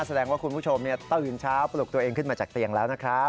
แสดงว่าคุณผู้ชมตื่นเช้าปลุกตัวเองขึ้นมาจากเตียงแล้วนะครับ